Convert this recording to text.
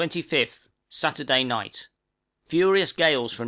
} 25th. Saturday night. Furious gales from N.